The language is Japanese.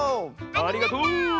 ありがとう！